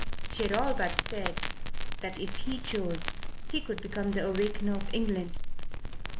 She had all but said that, if he chose, he could be the Awakener of England.